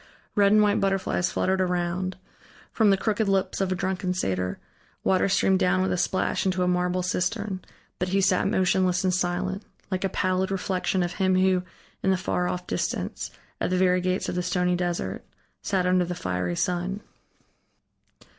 Red and white butterflies fluttered around; from the crooked lips of a drunken satyr, water streamed down with a splash into a marble cistern, but he sat motionless and silent, like a pallid reflection of him who, in the far off distance, at the very gates of the stony desert, sat under the fiery sun.